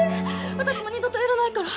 私も二度とやらないから。